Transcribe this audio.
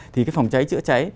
thì cái phòng cháy chữa cháy